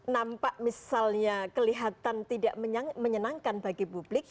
nampak misalnya kelihatan tidak menyenangkan bagi publik